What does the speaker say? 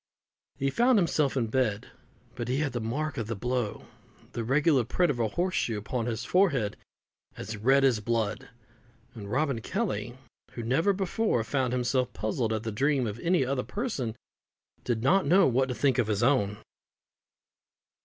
He found himself in bed, but he had the mark of the blow, the regular print of a horse shoe, upon his forehead as red as blood; and Robin Kelly, who never before found himself puzzled at the dream of any other person, did not know what to think of his own.